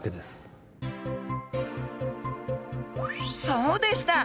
そうでした！